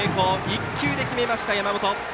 １球で決めました、山本。